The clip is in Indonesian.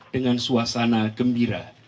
dengan suasana gembira